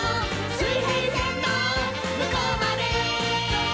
「水平線のむこうまで」